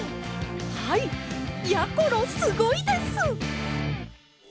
はいやころすごいです！